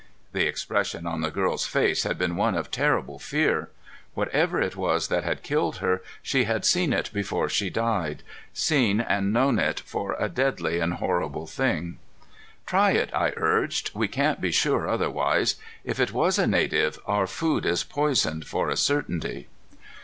The expression on the girl's face had been one of terrible fear. Whatever it was that had killed her, she had seen it before she died seen and known it for a deadly and horrible thing. "Try it," I urged. "We can't be sure otherwise. If it was a native, our food is poisoned for a certainty."